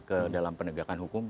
ke dalam penegakan hukum